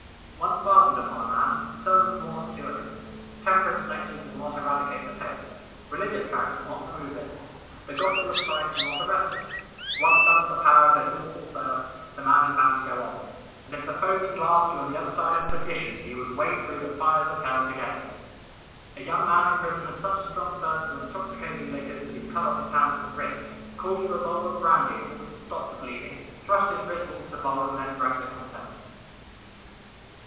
Once fastened upon a man, sermons will not cure him; temperance lectures will not eradicate the taste; religious tracts will not remove it; the Gospel of Christ will not arrest it. Once under the power of this awful thirst, the man is bound to go on; and if the foaming glass were on the other side of perdition, he would wade through the fires of hell to get it. A young man in prison had such a strong thirst for intoxicating liquors, that he cut off his hand at the wrist, called for a bowl of brandy in order to stop the bleeding, thrust his wrist into the bowl, and then drank the contents.